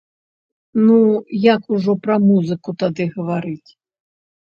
Ну як ужо пра музыку тады гаварыць?